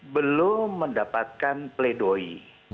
belum mendapatkan pleidoyi